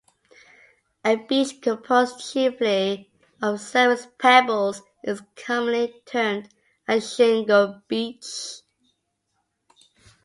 A beach composed chiefly of surface pebbles is commonly termed a shingle beach.